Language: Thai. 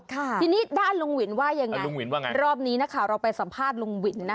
ที่นี่บ้านลุงหวินว่ายังไงรอบนี้นะคะเราไปสัมภาษณ์ลุงหวิ้นนะ